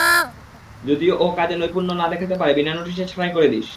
যদি ও কাজে নৈপুণ্য না দেখাতে পারে, বিনা নোটিশে ছাঁটাই করে দিস!